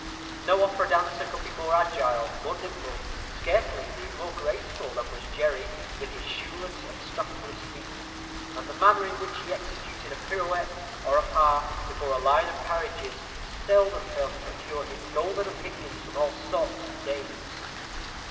No opera dancer could be more agile, more nimble; scarcely, indeed, more graceful, than was Jerry, with his shoeless and stockingless feet; and the manner in which he executed a pirouette, or a pas, before a line of carriages, seldom failed to procure him "golden opinions from all sorts of dames."